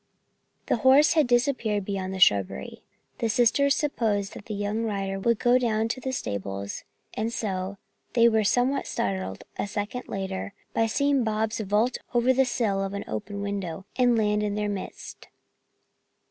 The horse had disappeared beyond the shrubbery. The sisters supposed that the young rider would go down to the stables and so they were somewhat startled, a second later, by seeing Bobs vault over the sill of an open window and land in their midst.